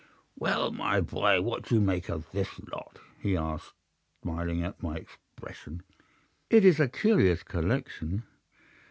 "Well, my boy, what do you make of this lot?" he asked, smiling at my expression. "It is a curious collection."